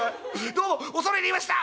「どうも恐れ入りました！